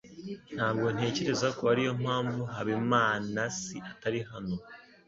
Ntabwo ntekereza ko ariyo mpamvu Habimanaasi atari hano.